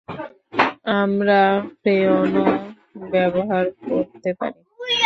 আমরা ফ্রেয়নও ব্যবহার করতে পারি।